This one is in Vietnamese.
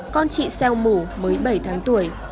con chị seo mủ mới bảy tháng tuổi